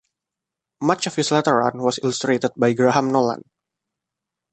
Much of his later run was illustrated by Graham Nolan.